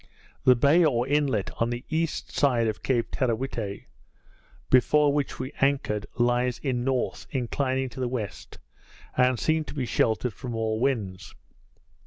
The bay or inlet, on the east side of Cape Teerawhitte, before which we anchored, lies in north, inclining to the west, and seemed to be sheltered from all winds.